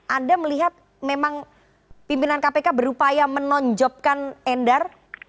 anda melihat memang pimpinan kpk berupaya menonjobkan endar